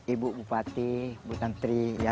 ibu bupati ibu tenteri ya